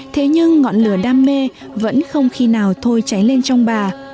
thế nhưng ngọn lửa đam mê vẫn không khi nào thôi cháy lên trong bà